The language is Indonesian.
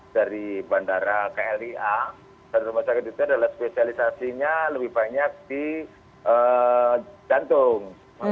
dari bandara klia dan rumah sakit itu adalah spesialisasinya lebih banyak di jantung